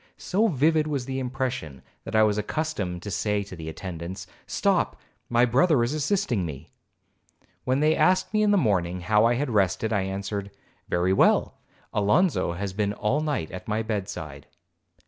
So vivid was the impression, that I was accustomed to say to the attendants, 'Stop, my brother is assisting me.' When they asked me in the morning how I had rested? I answered, 'Very well,—Alonzo has been all night at my bed side.'